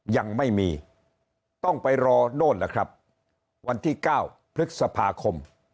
ยังไม่มีต้องไปรอโน่นล่ะครับวันที่๙พฤษภาคม